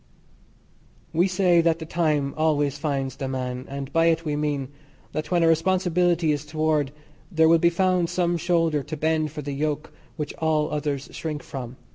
We say that the time always finds the man, and by it we mean: that when a responsibility is toward there will be found some shoulder to bend for the yoke which all others shrink from.